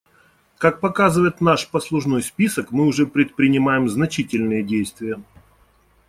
Как показывает наш послужной список, мы уже предпринимаем значительные действия.